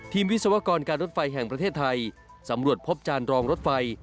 วิศวกรการรถไฟแห่งประเทศไทยสำรวจพบจานรองรถไฟ